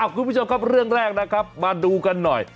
คุณผู้ชมครับเรื่องแรกนะครับมาดูกันหน่อย